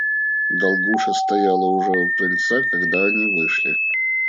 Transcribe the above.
Долгуша стояла уже у крыльца, когда они вышли.